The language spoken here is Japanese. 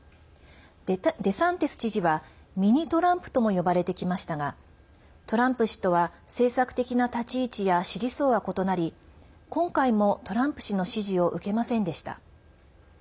デサンティス知事はミニ・トランプとも呼ばれてきましたがトランプ氏とは政策的な立ち位置や支持層は異なり今回もトランプ氏の支持を受けませんでした。